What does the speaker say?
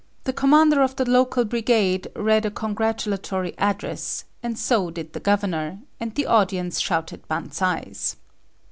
The commander of the local brigade read a congratulatory address, and so did the governor, and the audience shouted banzais.